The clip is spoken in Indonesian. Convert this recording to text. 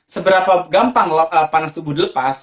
seberapa gampang panas tubuh dilepas